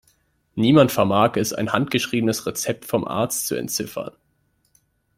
Niemand vermag es, ein handgeschriebenes Rezept vom Arzt zu entziffern.